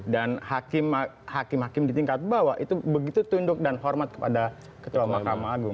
dan hakim hakim di tingkat bawah itu begitu tunduk dan hormat kepada ketua makam agung